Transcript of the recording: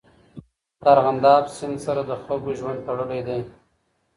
د ارغنداب سیند سره د خلکو ژوند تړلی دی.